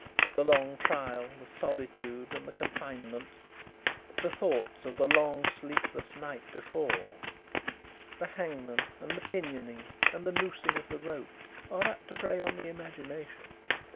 The long trial, the solitude and the confinement, the thoughts of the long sleepless night before, the hangman and the pinioning and the noosing of the rope, are apt to prey on the imagination.